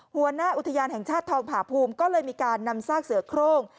หัวหน้าอุทยานแห่งชาติทองผาภูมิก็เลยมีการนำซากเสือโครง